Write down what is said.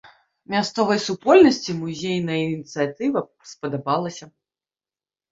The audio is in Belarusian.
Мясцовай супольнасці музейная ініцыятыва спадабалася.